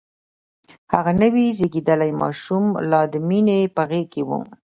هغه نوی زيږدلی ماشوم لا د مينې په غېږ کې و.